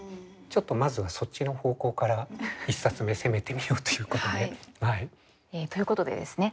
まずはそっちの方向から１冊目攻めてみようということで。ということでですね